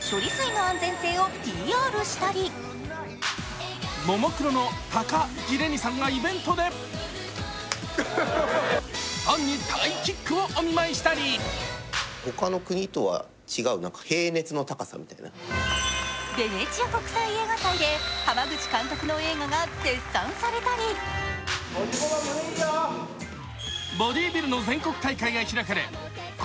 処理水の安全性をＰＲしたりももクロの高城れにさんがイベントでファンにタイキックをお見舞いしたりベネチア国際映画祭で濱口監督の映画が絶賛されたりボディビルの全国大会が開かれ今